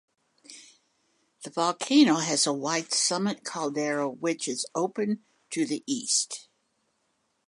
The volcano has a wide summit caldera which is open to the east.